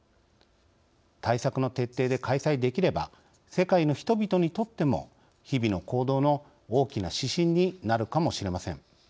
対策の徹底で開催できれば世界の人々にとっても日々の行動の大きな指針になるかもしれません。